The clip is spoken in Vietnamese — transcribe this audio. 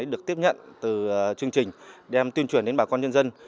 được tiếp nhận từ chương trình đem tuyên truyền đến bà con nhân dân